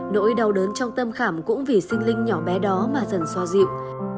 nỗi đau đớn trong tâm khảm cũng vì sinh linh nhỏ bé đó mà dần xoa dịu